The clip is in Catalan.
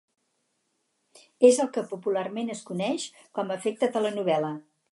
És el que popularment es coneix com a efecte telenovel·la.